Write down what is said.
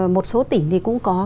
một số tỉnh thì cũng có